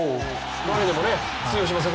バレーでも通用しますよね